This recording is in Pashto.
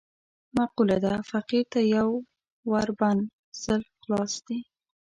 معقوله ده: فقیر ته یو ور بند، سل خلاص دي.